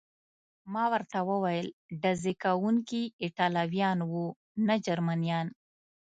ما ورته وویل: ډزې کوونکي ایټالویان و، نه جرمنیان.